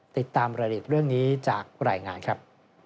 ติดตามระดิษฐ์เรื่องนี้จากรายงานครับ